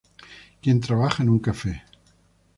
Quien trabaja en un cafe.